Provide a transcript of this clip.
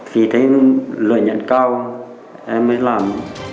vì thấy lợi nhận cao em mới làm